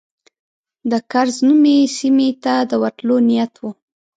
د کرز نومي سیمې ته د ورتلو نیت و.